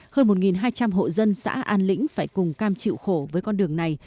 hơn một hai trăm linh hộ dân xã an lĩnh phải cùng cam chịu khổ với con đường này